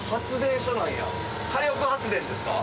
火力発電ですか？